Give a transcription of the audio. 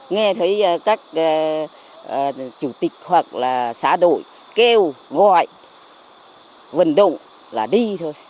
nghe thấy các chủ tịch hoặc là xã đội kêu gọi vận động là đi thôi